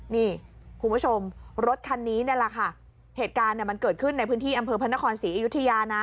นี่คุณผู้ชมรถคันนี้นี่แหละค่ะเหตุการณ์มันเกิดขึ้นในพื้นที่อำเภอพระนครศรีอยุธยานะ